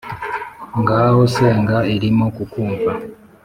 ngaho senga irimo kukumva